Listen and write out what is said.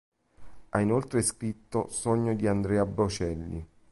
Ha inoltre scritto Sogno di Andrea Bocelli.